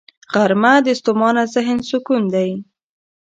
غرمه د ستومانه ذهن سکون دی